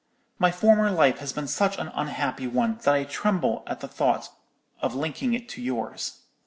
'My former life has been such an unhappy one, that I tremble at the thought of linking it to yours.